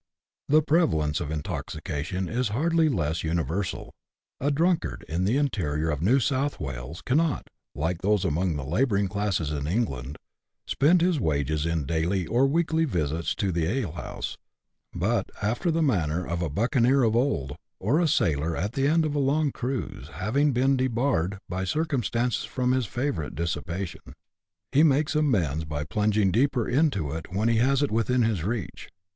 The prevalence of intoxication is hardly less universal ; a drunkard in the interior of New South "Wales cannot, like those among the labouring classes in England, spend his wages in daily or weekly visits to the ale house, but, after the manner of a buccaneer of old, or a sailor at the end of a long cruise, having been debarred by circumstances from his favourite dissipation, he makes amends by plunging deeper into it when he has it within his reach.